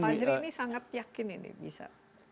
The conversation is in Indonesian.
fajri ini sangat yakin ini bisa